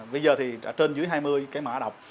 bây giờ thì trên dưới hai mươi cái mã đọc